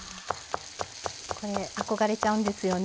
これ憧れちゃうんですよね。